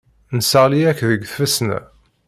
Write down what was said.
Nesseɣli-ak deg tfesna.